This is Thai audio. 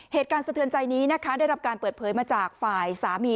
สะเทือนใจนี้นะคะได้รับการเปิดเผยมาจากฝ่ายสามี